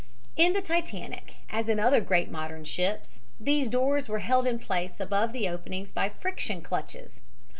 In the Titanic, as in other great modern ships, these doors were held in place above the openings by friction clutches.